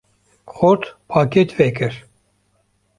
‘’ Xort, pakêt vekir.